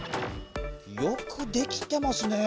よくできてますねぇ。